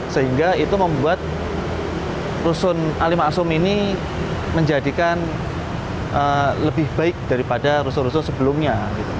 sehingga itu membuat rusun alim asum ini menjadikan lebih baik daripada rusun rusun sebelumnya